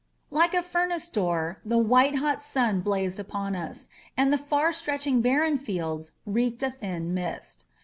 Like a furnace door, the white hot sun blazed upon us, and the far stretched barren fields reeked a thin mist.